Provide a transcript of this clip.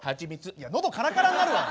いや喉カラカラになるわ！